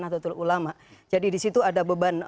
nahdlatul ulama jadi disitu ada beban